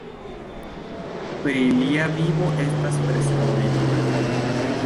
Pri lia vivo estas preskaŭ nenio konata.